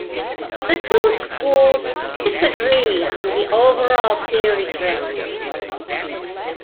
The two schools disagree on the overall series record.